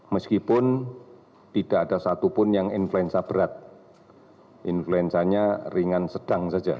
meskipun tidak ada satupun yang influenza berat influenzanya ringan sedang saja